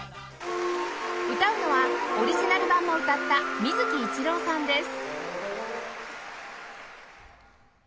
歌うのはオリジナル版も歌った水木一郎さんです